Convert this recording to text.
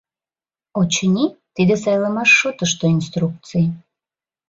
Очыни, тиде сайлымаш шотышто инструкций.